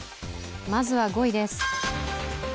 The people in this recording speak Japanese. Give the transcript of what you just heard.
まずは５位です